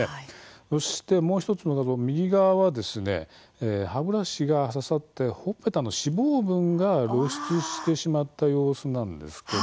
そして、もう１つの画像、右側は歯ブラシが刺さってほっぺたの脂肪分が露出してしまった様子なんです。